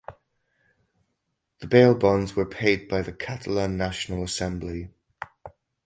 The bail bonds were paid by the Catalan National Assembly.